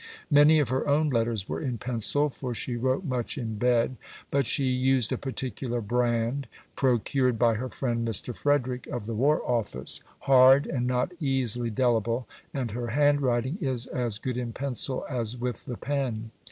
Many of her own letters were in pencil, for she wrote much in bed; but she used a particular brand procured by her friend Mr. Frederick, of the War Office hard, and not easily delible, and her handwriting is as good in pencil as with the pen.